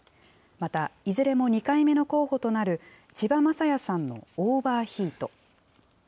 またいずれも２回目の候補となる千葉雅也さんのオーバーヒート。